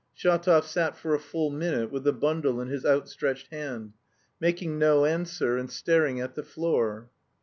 Shatov sat for a full minute with the bundle in his outstretched hand, making no answer and staring at the floor.